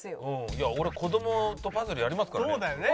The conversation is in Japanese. いや俺子どもとパズルやりますからね。